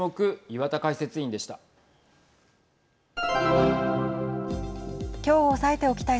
岩田解説委員でした。